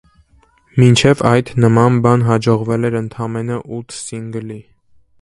Մինչ այդ նման բան հաջողվել էր ընդամենը ութ սինգլի։